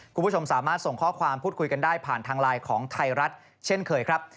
คุณผู้ชมสามารถส่งข้อความพูดคุยกันได้ผ่านทางไลน์ของไทยรัฐเช่นเคยครับ